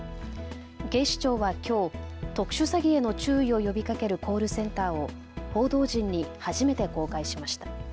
警視庁はきょう特殊詐欺への注意を呼びかけるコールセンターを報道陣に初めて公開しました。